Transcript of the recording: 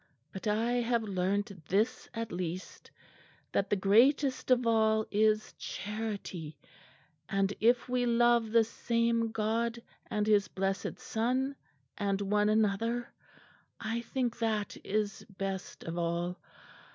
But I have learnt this at least, that the greatest of all is charity, and if we love the same God, and His Blessed Son, and one another, I think that is best of all.